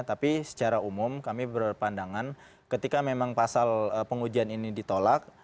tapi secara umum kami berpandangan ketika memang pasal pengujian ini ditolak